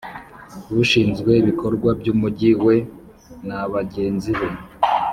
ashinzwe ibikorwa by Umujyi we nabagenzi be